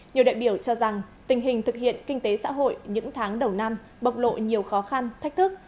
nhiều đại biểu cho rằng tình hình thực hiện kinh tế xã hội những tháng đầu năm bộc lộ nhiều khó khăn thách thức